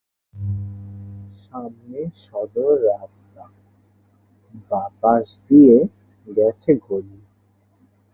সামনে সদর রাস্তা, বাঁ পাশ দিয়ে গেছে গলি।